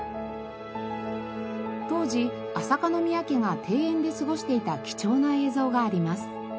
当時朝香宮家が庭園で過ごしていた貴重な映像があります。